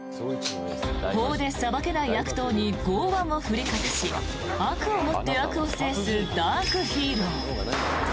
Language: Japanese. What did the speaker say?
法で裁けない悪党に剛腕を振りかざし悪をもって悪を制すダークヒーロー。